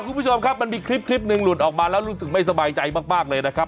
คุณผู้ชมครับมันมีคลิปหนึ่งหลุดออกมาแล้วรู้สึกไม่สบายใจมากเลยนะครับ